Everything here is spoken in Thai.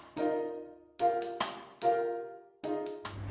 เพลง